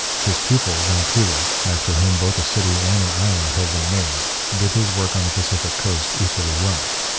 His pupil, Vancouver, after whom both a city and an island have been named, did his work on the Pacific coast equally well.